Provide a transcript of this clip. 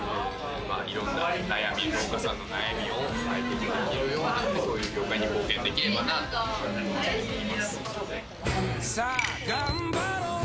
いろんな悩み、農家さんの悩みを解決できるような、そういう業界に貢献できればなと思っています。